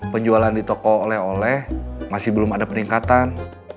penjualan di toko oleh oleh masih belum ada peningkatan